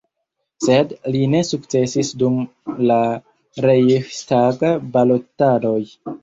Sed li ne sukcesis dum la Reihstag-balotadoj.